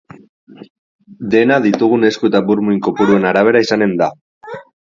Dena ditugun esku eta burmuin kopuruen arabera izanen da.